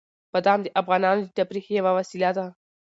بادام د افغانانو د تفریح یوه وسیله ده.